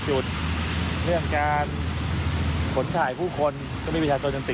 คนที่จะเดินทางด้วยก็พลื่นเวลาเวลาแบบนี้